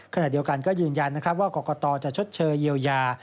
ขณะเดียวกันก็ยืนยันนะครับว่ากรกตจะชดเชยเยียวยา